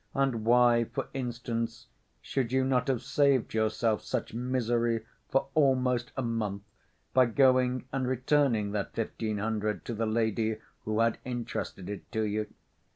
And why, for instance, should you not have saved yourself such misery for almost a month, by going and returning that fifteen hundred to the lady who had entrusted it to you?